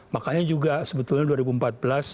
makanya juga sebetulnya dua ribu empat belas